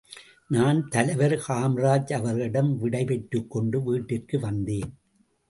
நான் தலைவர் காமராஜ் அவர்களிடம் விடை பெற்றுக் கொண்டு வீட்டிற்கு வந்தேன்.